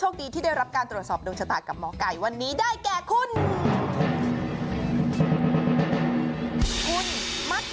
เกิดวันอังคารที่๗กันยายน๒๕๒๕นะคะ